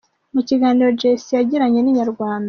Mu kiganiro Jay C yagiranye n’Inyarwanda.